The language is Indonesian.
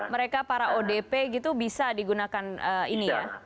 mereka para odp gitu bisa digunakan ini ya